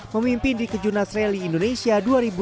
memimpin di kejunas rally indonesia dua ribu dua puluh